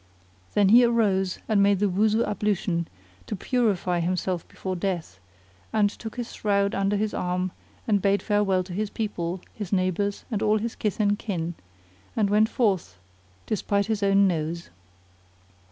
Then he arose, and made the Wuzu ablution to purify himself before death and took his shroud under his arm and bade farewell to his people, his neighbours and all his kith and kin, and went forth despite his own nose.